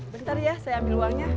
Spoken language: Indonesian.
bentar ya saya ambil uangnya